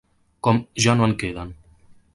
Com ja no en queden.